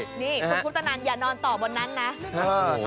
นี่คุณคุปตนันอย่านอนต่อบนนั้นนะ